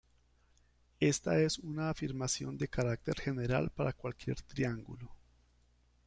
Esta es una afirmación de carácter general para cualquier triángulo.